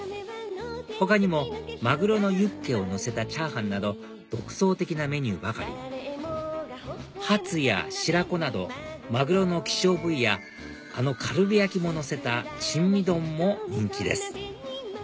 他にもマグロのユッケをのせたチャーハンなど独創的なメニューばかりハツや白子などマグロの希少部位やあのカルビ焼きものせた珍味丼も人気です